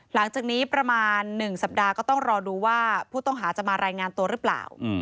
หลังจากนี้ประมาณ๑สัปดาห์ก็ต้องรอดูว่าผู้ต้องหาจะมารายงานตัวหรือเปล่า